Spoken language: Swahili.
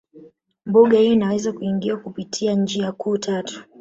Mbuga hii inaweza kuingiwa kupitia njia kuu tatu